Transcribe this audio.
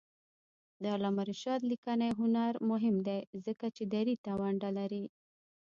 د علامه رشاد لیکنی هنر مهم دی ځکه چې دري ته ونډه لري.